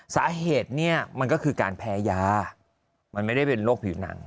สาเหตุเนี่ยมันก็คือการแพ้ยามันไม่ได้เป็นโรคผิวหนัง